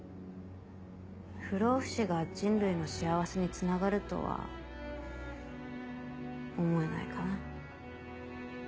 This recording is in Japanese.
不老不死が人類の幸せにつながるとは思えないかな。